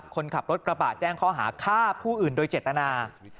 คนขับรถกระบะแจ้งข้อหาฆ่าผู้อื่นโดยเจตนา